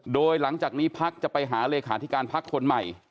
โดยหลังจากนี้พักจะไปหาเลขาธิการพักคนใหม่